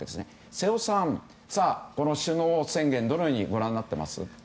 瀬尾さん、首脳宣言どのようにご覧になってます？